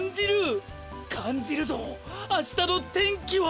かんじるぞあしたの天気は。